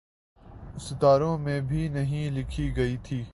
ستاروں میں بھی نہیں لکھی گئی تھی۔